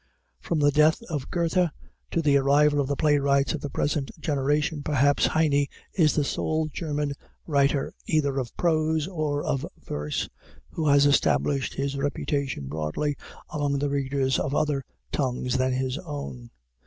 From the death of Goethe to the arrival of the playwrights of the present generation, perhaps Heine is the sole German writer either of prose or of verse who has established his reputation broadly among the readers of other tongues than his own.